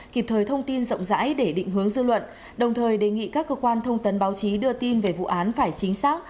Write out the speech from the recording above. kịp thời thông tin rộng rãi để định hướng dư luận đồng thời đề nghị các cơ quan thông tấn báo chí đưa tin về vụ án phải chính xác